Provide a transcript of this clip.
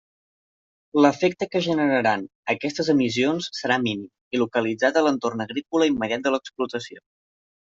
L'efecte que generaran aquestes emissions serà mínim i localitzat a l'entorn agrícola immediat de l'explotació.